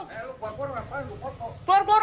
apa yang kamu lakukan